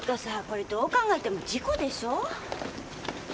これどう考えても事故でしょ？